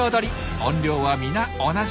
音量はみな同じ。